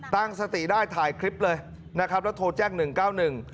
ตั้งสติได้ถ่ายคลิปเลยนะครับแล้วโทรแจ้ง๑๙๑